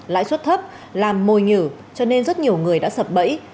lãi suất thấp làm mồi nhử cho nên rất nhiều người đã sập bẫy